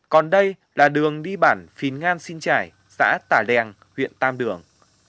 còn đây là đường đi bản phín ngan xin trải xã tả đèn huyện tam đường